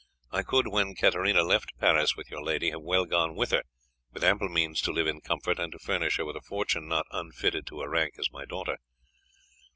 I could, when Katarina left Paris with your lady, have well gone with her, with ample means to live in comfort and to furnish her with a fortune not unfitted to her rank as my daughter.